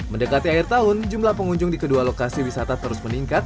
mendekati akhir tahun jumlah pengunjung di kedua lokasi wisata terus meningkat